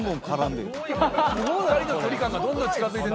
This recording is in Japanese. ２人の距離感がどんどん近付いていってる。